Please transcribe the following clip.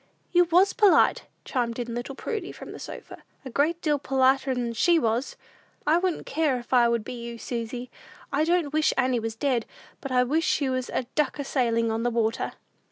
"You was polite," chimed in little Prudy, from the sofa; "a great deal politer'n she was! I wouldn't care, if I would be you, Susy. I don't wish Annie was dead, but I wish she was a duck a sailin' on the water!"